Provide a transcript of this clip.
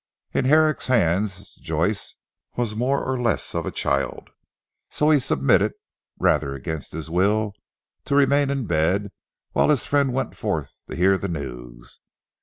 In Herrick's hands Joyce was more or less of a child, so he submitted rather against his will to remain in bed, while his friend went forth to hear the news.